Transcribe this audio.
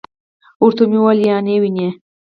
ورته ومي ویل: یا نې وینې .